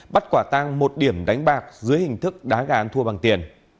bắt quả tăng một điểm đánh bạc dưới hình thức đá gà thua bằng tiền